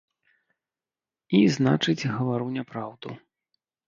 І значыць гавару няпраўду.